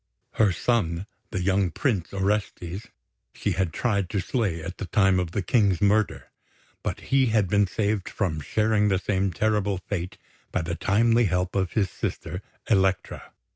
Her son, the young Prince Orestes, she had tried to slay at the time of the King's murder; but he had been saved from sharing the same terrible fate by the timely help of his sister, Elektra.